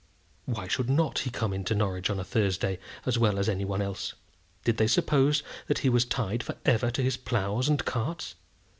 Why should not he come into Norwich on a Thursday, as well as any one else? Did they suppose that he was tied for ever to his ploughs and carts?